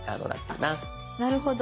なるほど。